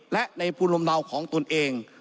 และในภูมิลมลาวของตนเอง